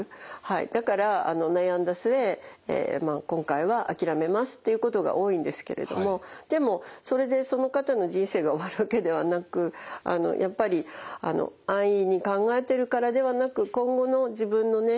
だから悩んだ末今回は諦めますということが多いんですけれどもでもそれでその方の人生が終わるわけではなくやっぱり安易に考えてるからではなく今後の自分のね